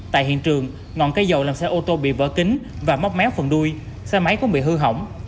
tại hiện trường ngọn cây dầu làm xe ô tô bị vỡ kính và móc méo phần đuôi xe máy cũng bị hư hỏng